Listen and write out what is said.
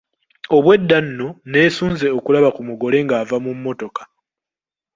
Obwedda nno neesunze okulaba ku mugole ng'ava mu mmotoka.